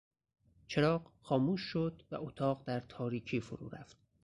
چراغ خاموش شد و اتاق در تاریکی فرو رفت.